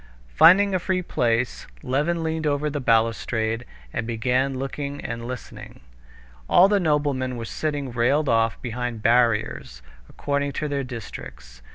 Finding a free place, Levin leaned over the balustrade and began looking and listening. All the noblemen were sitting railed off behind barriers according to their districts.